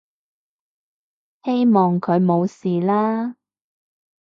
希望佢冇事啦